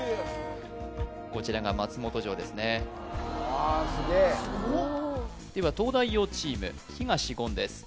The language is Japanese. こちらが松本城ですねああすげえすごっでは東大王チーム東言です